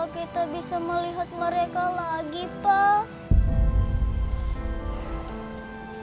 kita bisa melihat mereka lagi tak